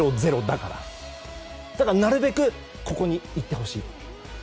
だからなるべくここにいってほしい。